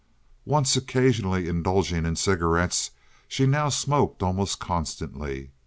Once occasionally indulging in cigarettes, she now smoked almost constantly.